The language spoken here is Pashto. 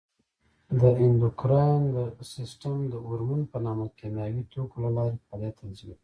د اندوکراین سیستم د هورمون په نامه کیمیاوي توکو له لارې فعالیت تنظیموي.